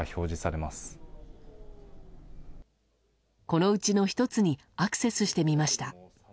このうちの１つにアクセスしてみました。